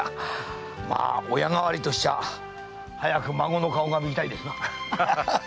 まあ親代わりとしちゃあ早く孫の顔が見たいですな。